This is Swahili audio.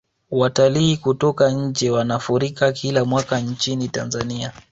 watalii kutoka nje wanafurika kila mwaka nchini tanzania